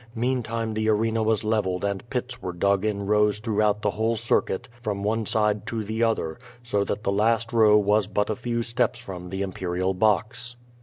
Meantime the arena was| leveled and pits were dug in rows throughout the whole circuit from one side to the other, so that the last row was but a few steps from the imperial box.